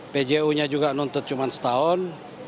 pju nya juga nuntut cuma setahun